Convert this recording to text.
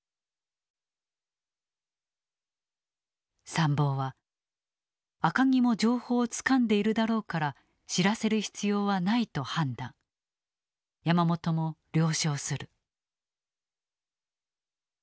参謀は赤城も情報をつかんでいるだろうから知らせる必要はないと判断山本も了承する。